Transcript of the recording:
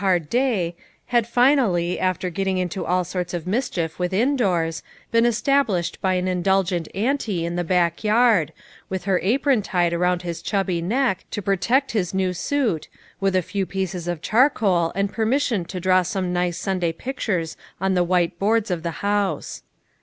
241 hard day, had finally, after getting into all sorts of mischief within doors, been established by an indulgent auntie in the back yard, with her apron tied around his chubby neck, to protect his new suit, with a few pieces of charcoal, and permission to draw some nice Sunday pictures on the white boards of the house.